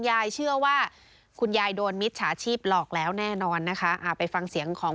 อ๋อแล้วได้เบิกหรือยัง